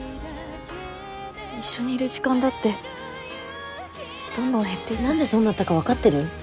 一緒にいる時間だってどんどん減っていったし何でそうなったか分かってる？